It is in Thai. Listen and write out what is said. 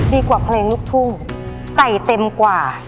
กว่าเพลงลูกทุ่งใส่เต็มกว่า